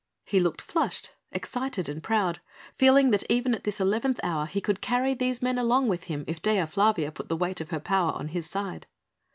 He looked flushed, excited and proud, feeling that even at this eleventh hour he could carry these men along with him if Dea Flavia put the weight of her power on his side.